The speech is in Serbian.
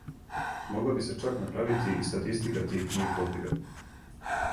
Могла би се чак направити и статистика тих мојих подвига.